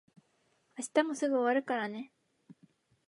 明日もすぐ終わるからね。